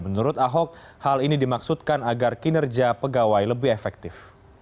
menurut ahok hal ini dimaksudkan agar kinerja pegawai lebih efektif